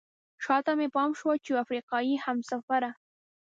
شاته مې پام شو چې یوه افریقایي همسفره.